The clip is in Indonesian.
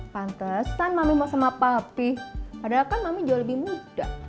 pantesan mami mau sama papi padahal kan mami jauh lebih muda